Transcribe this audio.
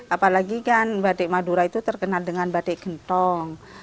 apalagi kan batik madura itu terkenal dengan batik gentong